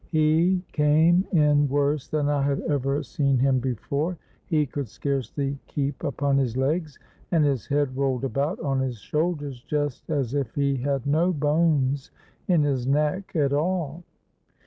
He came in worse than I had ever seen him before: he could scarcely keep upon his legs, and his head rolled about on his shoulders just as if he had no bones in his neck at all.